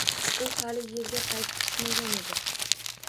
U hali yerga qaytib tushmagan edi